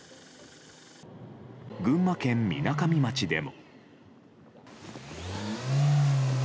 群馬県みなかみ町でも。